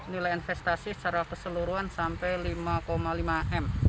nilai investasi secara keseluruhan sampai lima lima m